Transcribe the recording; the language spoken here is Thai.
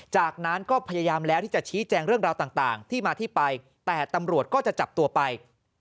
จากนั้นก็พยายามแล้วที่จะชี้แจงเรื่องราวต่างที่มาที่ไปแต่ตำรวจก็จะจับตัวไป